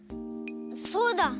そうだ。